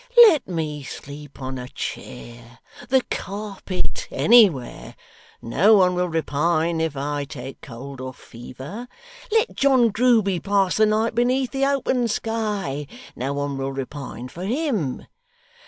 Let ME sleep on a chair the carpet anywhere. No one will repine if I take cold or fever. Let John Grueby pass the night beneath the open sky no one will repine for HIM.